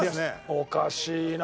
おかしいな。